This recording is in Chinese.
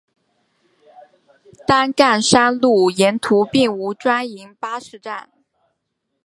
担杆山路沿途并无专营巴士站。